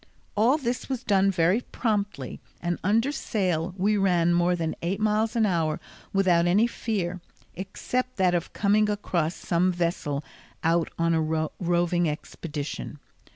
All this was done very promptly, and under sail we ran more than eight miles an hour without any fear, except that of coming across some vessel out on a roving expedition.